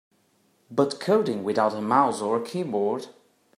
But coding without a mouse or a keyboard?